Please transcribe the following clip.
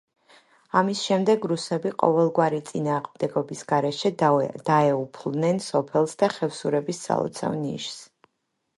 ამის შემდეგ რუსები ყოველგვარი წინააღმდეგობის გარეშე დაეუფლნენ სოფელს და ხევსურების სალოცავ ნიშს.